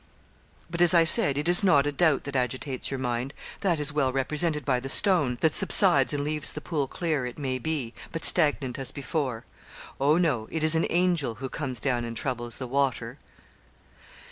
'But, as I said, it is not a doubt that agitates your mind that is well represented by the "stone," that subsides and leaves the pool clear, it maybe, but stagnant as before. Oh, no; it is an angel who comes down and troubles the water.'